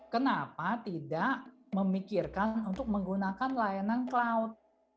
kenapa tidak memikirkan untuk menggunakan layanan cloud